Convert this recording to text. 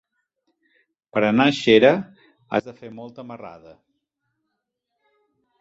Per anar a Xera has de fer molta marrada.